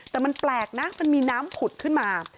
แต่มันแปลกนะมันมีน้ำผุดขึ้นมา